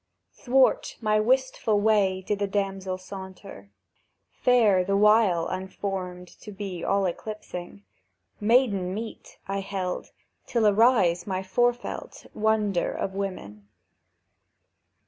Thwart my wistful way did a damsel saunter, Fair, the while unformed to be all eclipsing; "Maiden meet," held I, "till arise my forefelt Wonder of women."